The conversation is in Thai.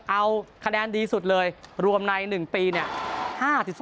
เอาคะแนนดีสุดเลยรวมใน๑ปีเนี่ย